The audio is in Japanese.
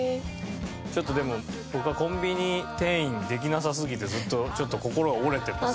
ちょっとでも僕はコンビニ店員できなさすぎてずっとちょっと心が折れてます。